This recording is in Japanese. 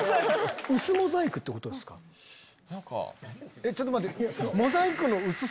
えっちょっと待って。